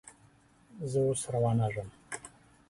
زه اوس روانېږم